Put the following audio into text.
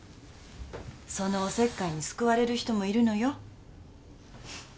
そのおせっかいに救われる人もいるのよ